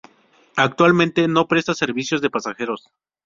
Actualmente, no presta servicios de pasajeros.